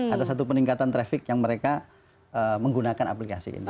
ada satu peningkatan traffic yang mereka menggunakan aplikasi ini